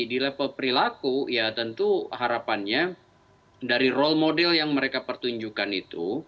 di level perilaku ya tentu harapannya dari role model yang mereka pertunjukkan itu